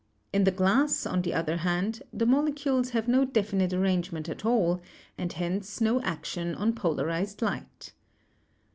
In the glass, on the other hand, the molecules have no definite arrangement at all, and hence no action on polarized light.